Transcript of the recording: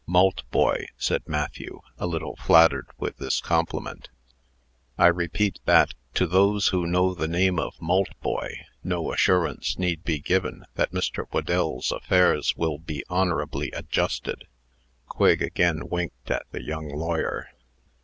"Maltboy," said Matthew, a little flattered with this compliment. "I repeat, that, to those who know the name of Maltboy, no assurance need be given that Mr. Whedell's affairs will be honorably adjusted." Quigg again winked at the young lawyer.